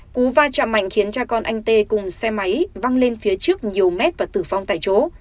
cú va chạm mạnh khiến cha con anh tê cùng xe máy văng lên phía trước nhiều mét và tử vong tại chỗ